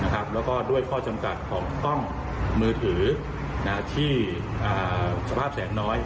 แล้วก็ด้วยข้อจำกัดของกล้องมือถือที่สภาพแสงน้อย